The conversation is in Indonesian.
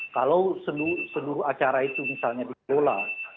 kalau seluruh acara itu misalnya dikelola